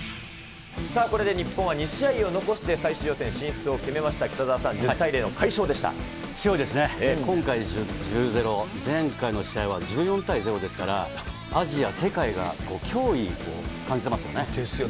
これで日本は２試合を残して最終予選進出を決めました、北澤さん、強いですね、今回１０ー０、前回の試合は１４対０ですから、アジア、世界が脅ですよね、